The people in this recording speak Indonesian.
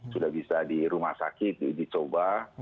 sudah bisa di rumah sakit dicoba